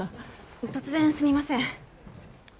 突然すみません。